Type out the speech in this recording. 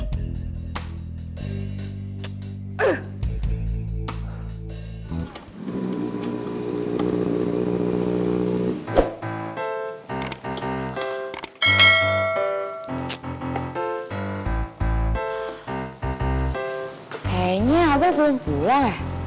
kayaknya abah belum pulang ya